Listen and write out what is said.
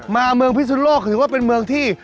เมืองพิสุนโลกถือว่าเป็นเมืองที่